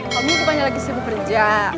kamu tuh tanya lagi siapa kerja